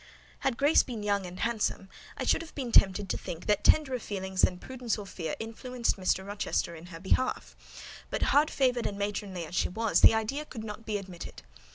Had Grace been young and handsome, I should have been tempted to think that tenderer feelings than prudence or fear influenced Mr. Rochester in her behalf; but, hard favoured and matronly as she was, the idea could not be admitted.